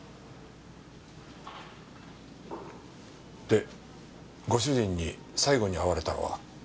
でご主人に最後に会われたのは？